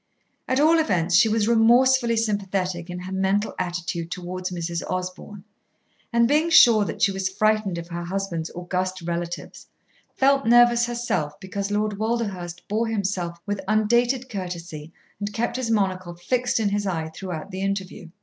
At all events, she was remorsefully sympathetic in her mental attitude towards Mrs. Osborn, and being sure that she was frightened of her husband's august relative, felt nervous herself because Lord Walderhurst bore himself with unrelated courtesy and kept his monocle fixed in his eye throughout the interview.